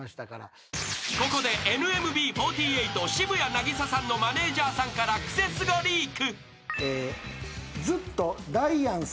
［ここでＮＭＢ４８渋谷凪咲さんのマネジャーさんからクセスゴリーク］